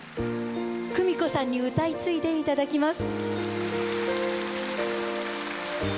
クミコさんに歌い継いでいただきます。